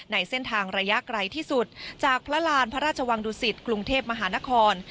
ในเส้นทางระยะไกลที่สุดจากพระราณพระราชวังดุสิตกรุงเทพมหานคร